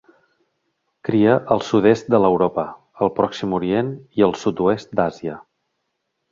Cria al sud-est de l'Europa, al Pròxim Orient i al sud-oest d'Àsia.